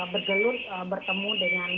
bergelut bertemu dengan